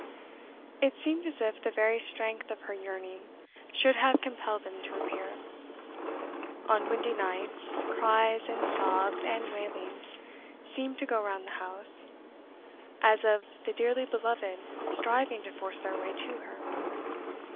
It seemed as if the very strength of her yearning should have compelled them to appear. On windy nights, cries, and sobs, and wailings seemed to go round the house, as of the dearly beloved striving to force their way to her.